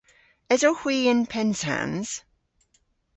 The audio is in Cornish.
Esowgh hwi yn Pennsans?